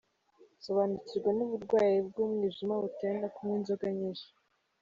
Sobanukirwa n’uburwayi bw’umwijima butewe no kunywa inzoga nyinshi